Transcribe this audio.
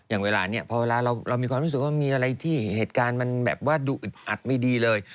อย่างเวลาเนี่ยพอเวลาเรามีความรู้สึกว่ามีอะไรที่เหตุการณ์มันแบบว่าดูอึดอัดไม่ดีเลย